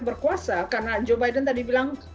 berkuasa karena joe biden tadi bilang